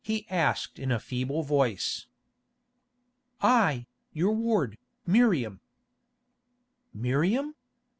he asked in a feeble voice. "I, your ward, Miriam." "Miriam!